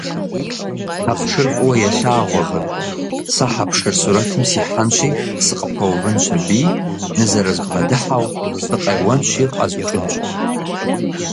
Хьэпшыр фӏыуэ елъагъу абыи, сэ хьэпшыр сурэтым сихьэнщи, сыкъыпэувынщ аби, нызэрызбгъэдыхьэу сыкъеуэнщи къэзукӏынщ!